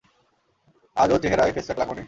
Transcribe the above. আজও চেহেরায় ফেসপ্যাক লাগাও নি?